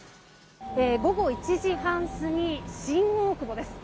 午後１時半過ぎ新大久保です。